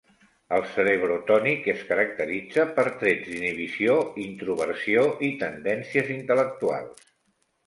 El cerebrotònic es caracteritza per trets d'inhibició, introversió i tendències intel·lectuals.